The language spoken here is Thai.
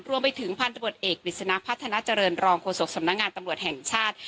รวมไปถึงพันธบทเอกปริศนาพัฒนาเจริญรองโฆษกสำนักงานตำรวจแห่งชาติ